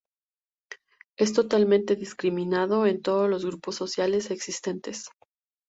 Es totalmente discriminado en todos los grupos sociales existentes.